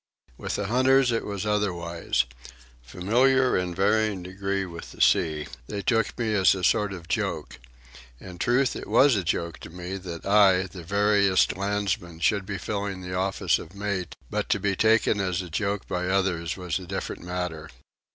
With the hunters it was otherwise. Familiar in varying degree with the sea, they took me as a sort of joke. In truth, it was a joke to me, that I, the veriest landsman, should be filling the office of mate; but to be taken as a joke by others was a different matter.